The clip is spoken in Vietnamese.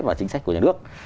vào chính sách của nhà nước